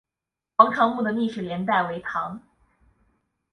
王潮墓的历史年代为唐。